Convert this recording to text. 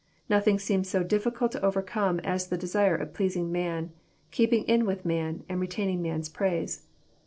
Nothing seems so diffi cult to overcome as the desire of pleasing man, keeping in with man, and retaining man's praise.